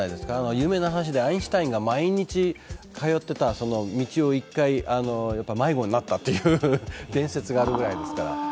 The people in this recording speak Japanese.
有名な話でアインシュタインが毎日通っていた道を一回迷子になったっていう伝説があるぐらいですから。